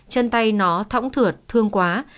chân tay nó thỏng thượt thương quá